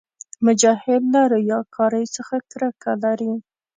مجاهد له ریاکارۍ څخه کرکه لري.